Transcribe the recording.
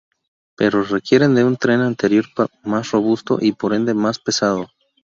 Pero requieren de un tren anterior más robusto y por ende, más pesado.